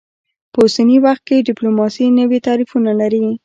په اوسني وخت کې ډیپلوماسي نوي تعریفونه لري